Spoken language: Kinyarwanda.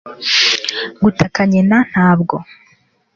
gutaka nyina ntabwo